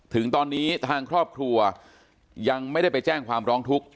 ถึงตอนนี้ทางครอบครัวยังไม่ได้ไปแจ้งความร้องทุกข์